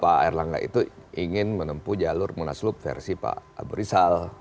pak erlangga itu ingin menempuh jalur munaslup versi pak abu rizal